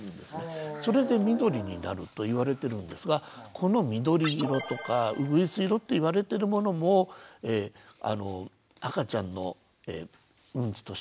それで緑になると言われてるんですがこの緑色とかうぐいす色って言われてるものも赤ちゃんのウンチとしては正常なウンチなんです。